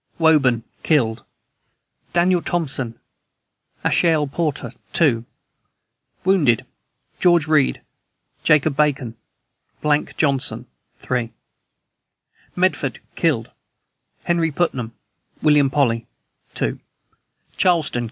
WOBURN. Killed: Daniel Thompson, Asahel Porter, 2. Wounded: George Reed, Jacob Bacon, Johnson, 3. MEDFORD. Killed: Henry Putnam, William Polly, 2. CHARLESTOWN.